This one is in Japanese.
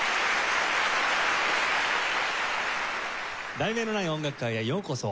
『題名のない音楽会』へようこそ。